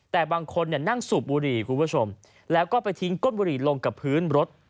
แต่บางคนนั่งสูบบุหรี่คุณผู้ชมแล้วก็ไปทิ้งก้นบุหรี่ลงกับพื้นรถ